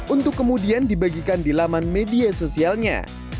untuk kemudian dibagikan di laman media sosialnya